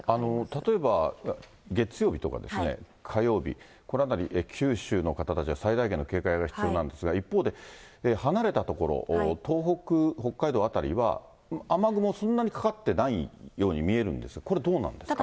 例えば月曜日とかですね、火曜日、このあたり、九州の方たちは最大限の警戒が必要なんですが、一方で、離れた所、東北、北海道辺りは雨雲、そんなにかかってないように見えるんですが、これ、どうなんですか。